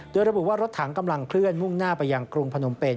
โดยระบุว่ารถถังกำลังเคลื่อนมุ่งหน้าไปยังกรุงพนมเป็น